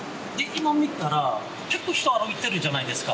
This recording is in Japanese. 今見たら、結構人、歩いているじゃないですか。